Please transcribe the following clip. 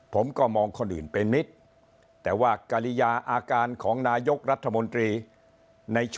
ผมก็มองคนอื่นเป็นมิตรแต่ว่ากริยาอาการของนายกรัฐมนตรีในช่วง